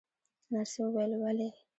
نرسې وویل: ولې؟